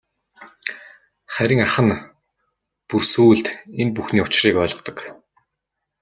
Харин ах нь бүр сүүлд энэ бүхний учрыг ойлгодог.